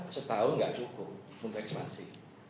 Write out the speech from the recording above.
setahun nggak cukup untuk ekspansi